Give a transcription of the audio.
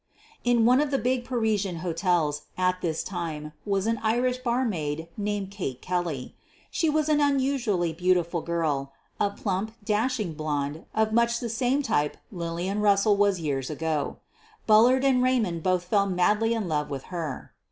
In one of the big Parisian hotels at this time was an Irish barmaid named Kate Kelley. She was an unusually beautiful girl — a plump, dashing blonde of much the same type Lillian Eussell was years ago. Bullard and Raymond both fell madly in love with her.